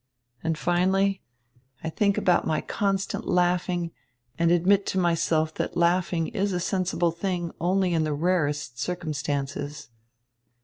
And, finally, I think about my constant laughing and admit to myself that laughing is a sensible thing only in the rarest circumstances."